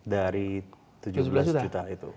dari tujuh belas juta itu